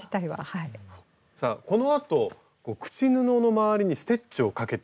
さあこのあと口布の周りにステッチをかけていく。